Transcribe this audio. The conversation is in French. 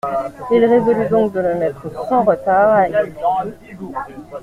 Il résolut donc de le mettre sans retard à exécution.